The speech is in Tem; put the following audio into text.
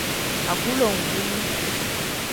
Agulonguni.